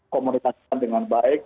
komunikasi dengan baik